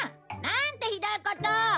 なんてひどいことを！